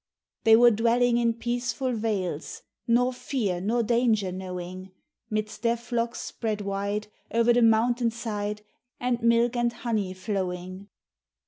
They were dwelling in peaceful vales, Nor fear nor danger knowing; 'Midst their flocks spread wide O'er the mountain side, And milk and honey flowing.